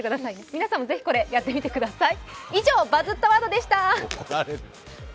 皆さんも、ぜひこれ、やってみてください。